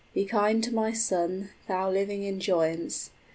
Be kind to my son, thou Living in joyance!